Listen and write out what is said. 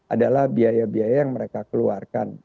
adalah biaya biaya yang mereka keluarkan